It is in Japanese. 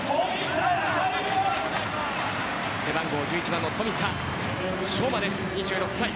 背番号１１番の富田将馬、２６歳。